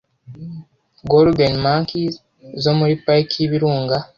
Golden Mankies zo muri Pariki y'Ibirunga,